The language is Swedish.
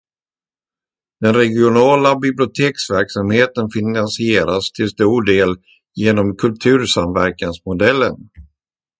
Den regionala biblioteksverksamheten finansieras till stor del genom kultursamverkansmodellen.